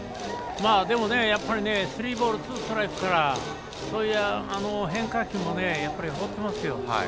でもスリーボールツーストライクから変化球も放ってますよ。